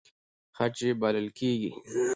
خج یې بلل کېږي.